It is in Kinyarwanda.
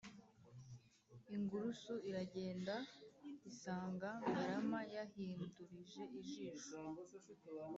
» Ingurusu iragenda, isanga Ngarama yahindurije ijisho,